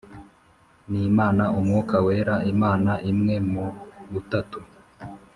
n Imana Umwuka Wera Imana Imwe mu Butatu